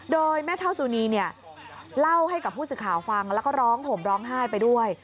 โดยแม่เท่าสุนีเนี่ยเล่าให้กับผู้สื่อข่าวฟังแล้วก็ร้องห่มร้องไห้ไปด้วย